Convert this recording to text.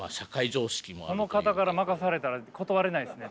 この方から任されたら断れないですね